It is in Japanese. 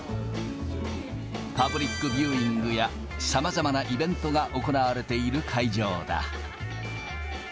パブリックビューイングやさまざまなイベントが行われている会場だ。